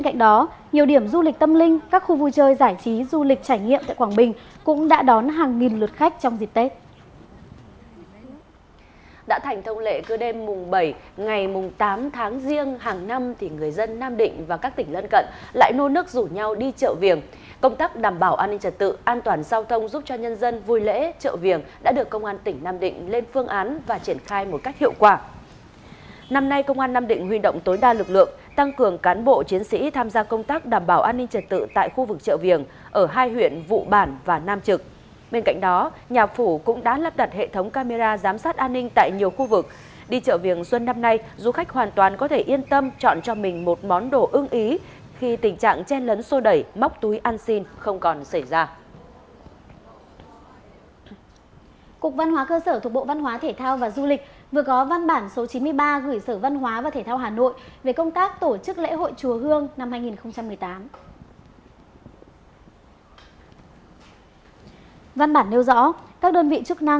công tác đảm bảo an ninh trật tự giúp nhân dân vui lễ trợ viền đã được triển khai một cách hiệu quả